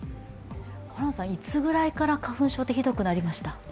ホランさん、いつぐらいから花粉症ってひどくなりました？